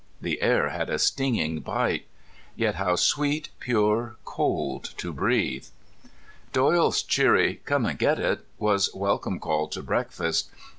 The air had a stinging bite. Yet how sweet, pure, cold to breathe! Doyle's cheery: "Come and get it," was welcome call to breakfast.